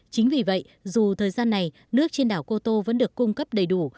chính vì vậy dù thời gian này nước trên đảo cô tô vẫn được cung cấp đầy đủ